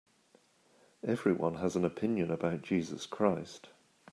Everyone has an opinion about Jesus Christ.